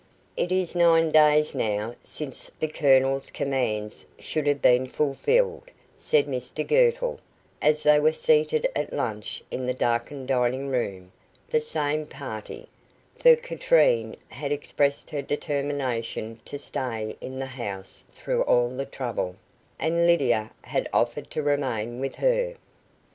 "It is nine days now since the Colonel's commands should have been fulfilled," said Mr Girtle, as they were seated at lunch in the darkened dining room the same party, for Katrine had expressed her determination to stay in the house through all the trouble, and Lydia had offered to remain with her.